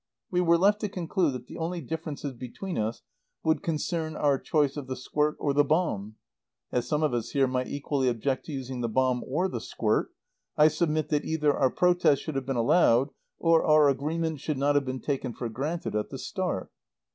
We were left to conclude that the only differences between us would concern our choice of the squirt or the bomb. As some of us here might equally object to using the bomb or the squirt, I submit that either our protest should have been allowed or our agreement should not have been taken for granted at the start.